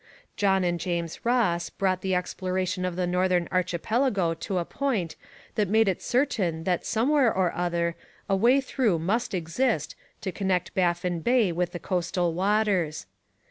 John and James Ross brought the exploration of the northern archipelago to a point that made it certain that somewhere or other a way through must exist to connect Baffin Bay with the coastal waters.